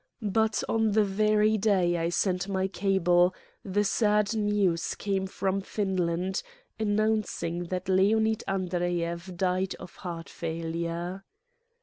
But on the very day I sent my cable the sad news came from Finland announcing that Leonid An dreyev died of heart failure.